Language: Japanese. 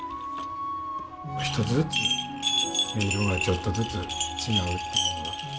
一つずつ音色がちょっとずつ違うっていうのが。